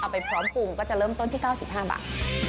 ไปพร้อมปรุงก็จะเริ่มต้นที่๙๕บาท